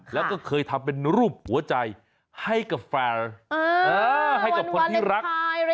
แล้วก็เคยทำเป็นรูปหัวใจให้กับแฟนให้กับคนที่รัก